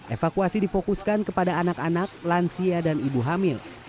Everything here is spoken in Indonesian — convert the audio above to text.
evakuasi difokuskan kepada anak anak lansia dan ibu hamil